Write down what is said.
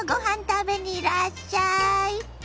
食べにいらっしゃい。